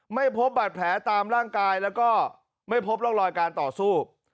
ไม่พบบาดแผลตามร่างกายแล้วก็ไม่พบร่องรอยการต่อสู้